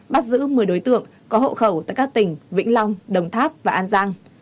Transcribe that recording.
bắt giữ một mươi đối tượng có hộ khẩu tại các tỉnh vĩnh long đồng tháp và an giang